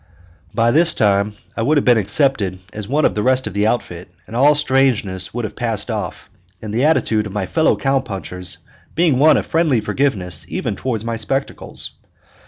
By this time I would have been accepted as one of the rest of the outfit, and all strangeness would have passed off, the attitude of my fellow cow punchers being one of friendly forgiveness even toward my spectacles.